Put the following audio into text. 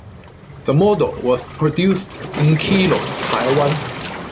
The model was produced in Keelung, Taiwan.